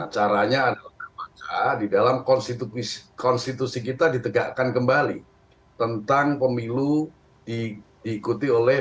caranya adalah maka di dalam konstitusi konstitusi kita ditegakkan kembali tentang pemilu diikuti oleh